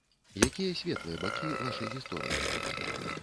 Якія светлыя бакі вашай гісторыі?